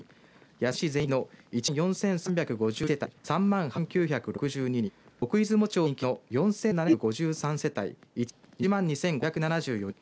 安来市全域の１万４３５１世帯３万８９６２人奥出雲町全域の４７５３世帯１万２５７４人